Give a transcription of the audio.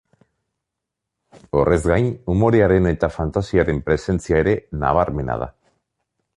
Horrez gain, umorearen eta fantasiaren presentzia ere nabarmena da.